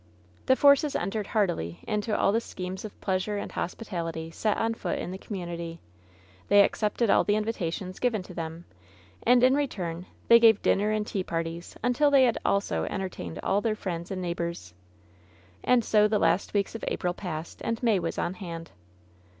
The Forces entered heartily into all the schemes of pleasure and hospitality set on foot in the community. They accepted all the invitations given to them, and in return they gave dinner and tea parties until they had also entertained all their friends and neighbors. And so the last weeks of April passed and May was on hand.